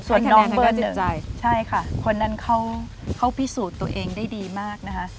ส่วนน้องเบอร์จิตใจใช่ค่ะคนนั้นเขาพิสูจน์ตัวเองได้ดีมากนะคะ